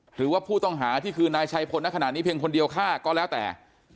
หรือว่าผู้ต้องหาที่คือนายชัยพลณขณะนี้เพียงคนเดียวฆ่าก็แล้วแต่